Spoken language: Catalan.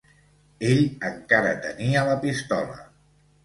Ell encara tenia la pistola.